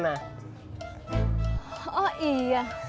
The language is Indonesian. nunggunya lebih lama lagi